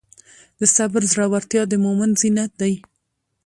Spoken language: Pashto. د صبر زړورتیا د مؤمن زینت دی.